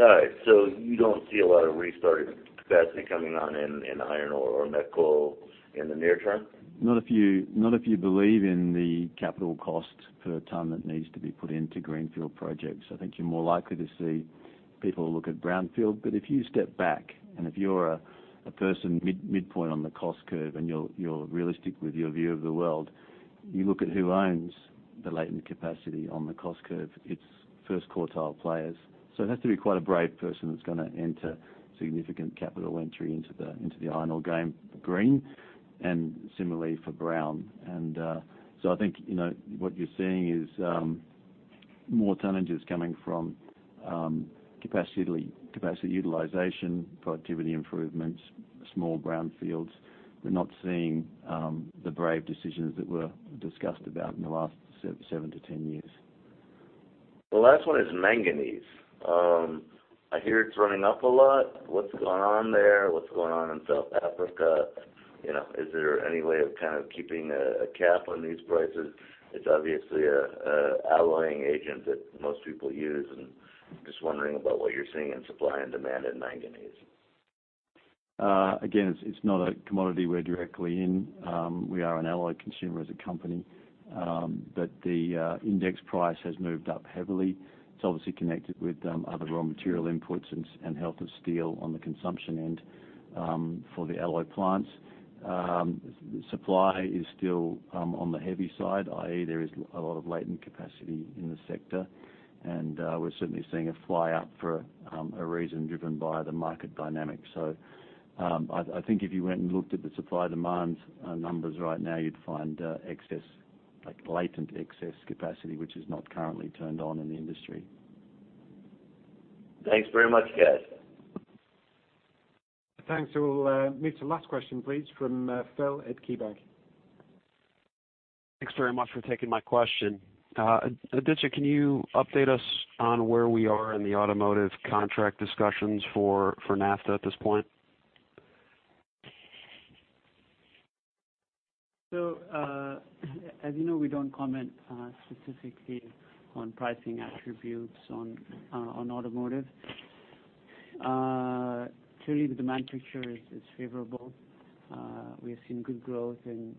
All right. You don't see a lot of restarted capacity coming on in iron ore or met coal in the near term? Not if you believe in the capital cost per ton that needs to be put into Greenfield projects. I think you're more likely to see people look at Brownfield. If you step back, and if you're a person midpoint on the cost curve, and you're realistic with your view of the world, you look at who owns the latent capacity on the cost curve. It's first quartile players. It has to be quite a brave person that's going to enter significant capital entry into the iron ore game green, and similarly for brown. I think, what you're seeing is more tonnages coming from capacity utilization, productivity improvements, small brownfields. We're not seeing the brave decisions that were discussed about in the last seven to 10 years. The last one is manganese. I hear it's running up a lot. What's going on there? What's going on in South Africa? Is there any way of kind of keeping a cap on these prices? It's obviously an alloying agent that most people use, and just wondering about what you're seeing in supply and demand in manganese. Again, it's not a commodity we're directly in. We are an alloy consumer as a company. The index price has moved up heavily. It's obviously connected with other raw material inputs and health of steel on the consumption end for the alloy plants. Supply is still on the heavy side, i.e., there is a lot of latent capacity in the sector, and we're certainly seeing it fly up for a reason driven by the market dynamics. I think if you went and looked at the supply-demand numbers right now, you'd find excess, like latent excess capacity, which is not currently turned on in the industry. Thanks very much, guys. Thanks. We'll move to the last question, please, from Phil at KeyBanc. Thanks very much for taking my question. Aditya, can you update us on where we are in the automotive contract discussions for NAFTA at this point? As you know, we don't comment specifically on pricing attributes on automotive. Clearly, the demand picture is favorable. We have seen good growth in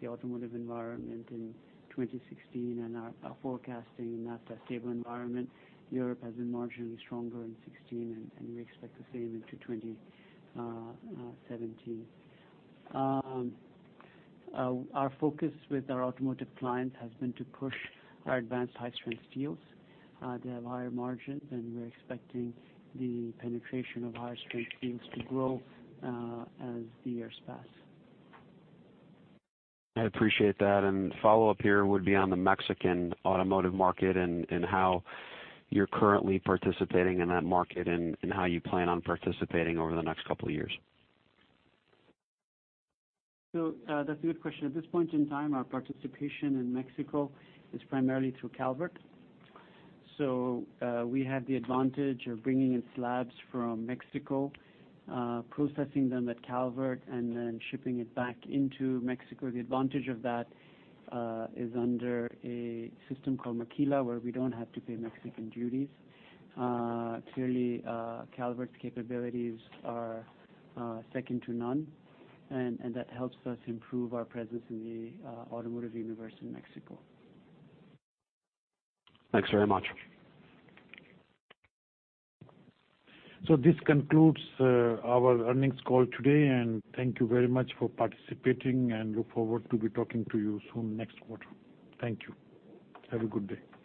the automotive environment in 2016 and are forecasting NAFTA a stable environment. Europe has been marginally stronger in 2016, and we expect the same into 2017. Our focus with our automotive clients has been to push our advanced high-strength steels. They have higher margins, and we're expecting the penetration of higher strength steels to grow as the years pass. I appreciate that. Follow-up here would be on the Mexican automotive market and how you're currently participating in that market and how you plan on participating over the next couple of years. That's a good question. At this point in time, our participation in Mexico is primarily through Calvert. We have the advantage of bringing in slabs from Mexico, processing them at Calvert, and then shipping it back into Mexico. The advantage of that is under a system called Maquila, where we don't have to pay Mexican duties. Clearly, Calvert's capabilities are second to none, and that helps us improve our presence in the automotive universe in Mexico. Thanks very much. This concludes our earnings call today, thank you very much for participating, look forward to be talking to you soon next quarter. Thank you. Have a good day.